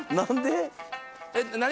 何？